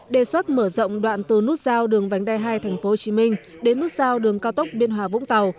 đề xuất mở rộng đoạn từ nút giao đường vánh đai hai tp hcm đến nút giao đường cao tốc biên hòa vũng tàu